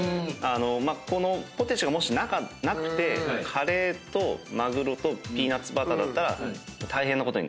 このポテチがもしなくてカレーとマグロとピーナッツバターだったら大変なことに。